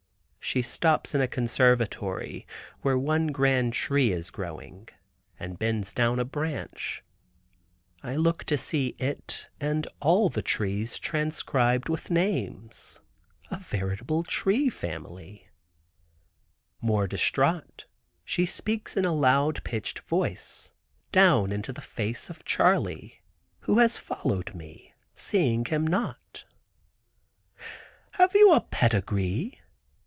She stops in a conservatory, where one grand tree is growing, and bends down a branch. I look to see it and all the tree transcribed with names—a veritable family tree. More distraught, she speaks in a loud pitched voice, down into the face of Charley, who has followed me (seeing him not), "Have you a pedigree?"